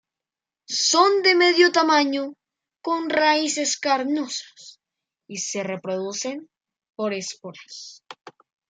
Son de medio tamaño con raíces carnosas y se reproducen por esporas.